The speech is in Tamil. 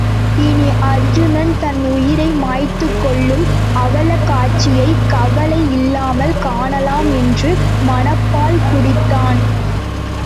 இனி அருச்சுனன் தன் உயிரை மாய்த்துக் கொள்ளும் அவலக்காட்சியைக் கவலை இல்லாமல் காணலாம் என்று மனப்பால் குடித்தான்.